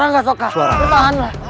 ranggasoka berpaham lah